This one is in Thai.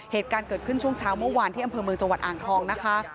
เหตุการณ์เกิดขึ้นช่วงเช้าเมื่อวานที่อำเภอเมืองจังหวัดอ่างทองนะคะ